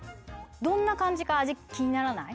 どんな感じか味気にならない？